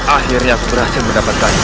akhirnya aku berhasil mendapatkannya